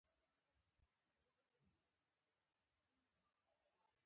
ژوندي د خوښۍ لټون کوي